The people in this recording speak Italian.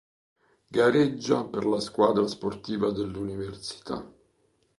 Gareggia per la squadra sportiva dell'università.